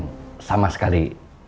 bukan masalah itu